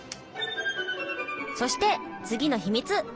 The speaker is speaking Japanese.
そして次の秘密！